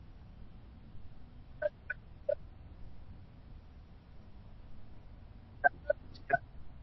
No se conservan cuadros ni grabados, ya que todos los archivos fueron quemados.